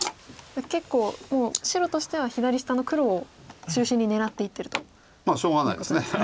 結構もう白としては左下の黒を中心に狙っていってるということですね。